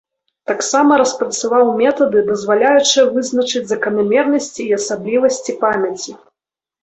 Таксама распрацаваў метады, дазваляючыя вызначыць заканамернасці і асаблівасці памяці.